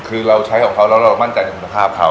คือเราใช้ของเขาแล้วเรามั่นใจในคุณภาพเขา